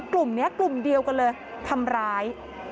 กลุ่มนี้กลุ่มเดียวกันเลยทำร้าย